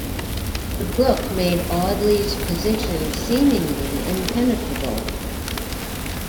The brook made Audley's position seemingly impenetrable.